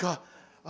あ！